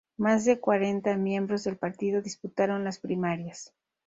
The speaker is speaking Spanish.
Más de cuarenta miembros del partido disputaron las primarias.